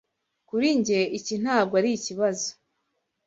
Kuri njye, iki ntabwo ari ikibazo.